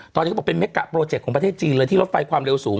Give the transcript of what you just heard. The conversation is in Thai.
ตอนนี้เขาบอกเป็นเม็กกะโปรเจกต์ของประเทศจีนเลยที่รถไฟความเร็วสูง